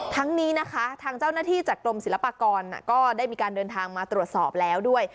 ทั้งนี้นะคะทางเจ้าหน้าที่จากกรมศิลปากรก็ได้มีการเดินทางมาตรวจสอบแล้วด้วย